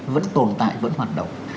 vẫn tồn tại vẫn hoạt động